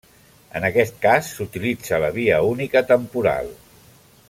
En aquest cas, s'utilitza la via única temporal.